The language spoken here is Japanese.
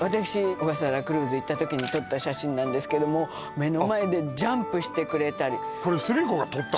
小笠原クルーズ行った時に撮った写真なんですけれども目の前でジャンプしてくれたりこれ寿美子が撮ったの？